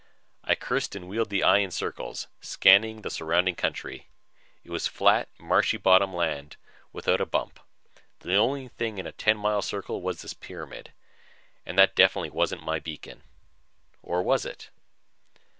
I cursed and wheeled the eye in circles, scanning the surrounding country. It was flat, marshy bottom land without a bump. The only thing in a ten mile circle was this pyramid and that definitely wasn't my beacon. Or wasn't it?